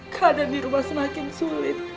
keadaan di rumah semakin sulit